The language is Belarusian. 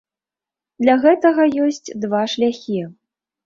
Для гэтага ёсць два шляхі.